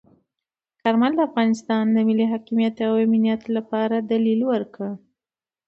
کارمل د افغانستان د ملي حاکمیت او امنیت لپاره دلیل ورکړ.